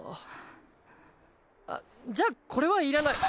あっじゃあこれはいらな。